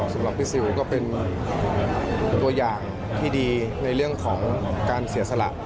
สำหรับพี่ซิลก็เป็นตัวอย่างที่ดีในเรื่องของการเสียสละ